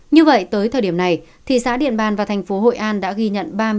như vậy tới thời điểm này thị xã điện bàn và thành phố hội an đã ghi nhận